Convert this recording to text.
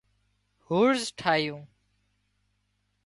هورز ٺاهيو